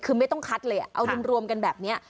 คือไม่ต้องคัดเลยเอารวมกันแบบนี้